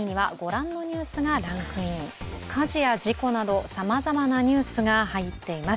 火事や事故などさまざまなニュースが入っています。